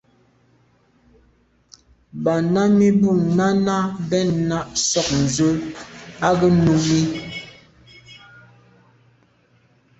Ba nǎmî bû Nánái bɛ̂n náɁ ják ndzwə́ á gə́ Númíi.